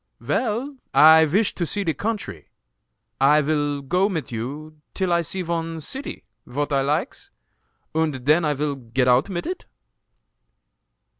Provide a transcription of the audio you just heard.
"Vel, I vish to see de country. I vil go mit you till I see von ceety vot I likes, und den I vil get out mit it!"